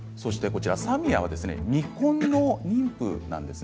サミアは未婚の妊婦なんです。